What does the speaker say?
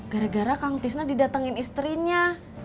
gara gara kang tisna didatengin istrinya